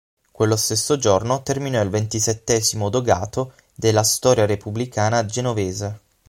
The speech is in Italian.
Quello stesso giorno terminò il ventisettesimo dogato nella storia repubblicana genovese.